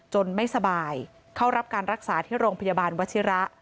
ไม่สบายเข้ารับการรักษาที่โรงพยาบาลวัชิระ